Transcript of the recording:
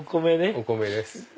お米です。